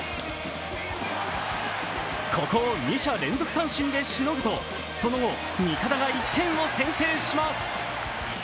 ここを２者連続三振でしのぐとその後、味方が１点を先制します。